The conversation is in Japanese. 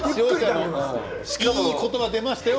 いい言葉が出ましたよ